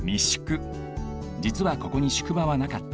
じつはここに宿場はなかった。